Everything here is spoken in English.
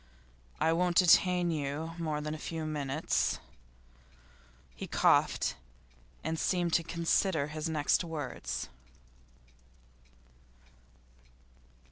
I won't detain you more than a few minutes.' He coughed, and seemed to consider his next words.